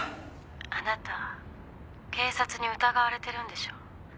「あなた警察に疑われてるんでしょ？」